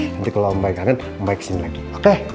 nanti kalo om baik kangen om baik kesini lagi oke